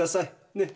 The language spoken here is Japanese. ねっ。